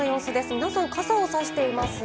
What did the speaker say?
皆さん傘をさしていますね。